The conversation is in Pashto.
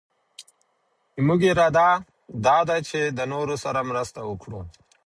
زمونږ اراده دا ده چي د نورو سره مرسته وکړو.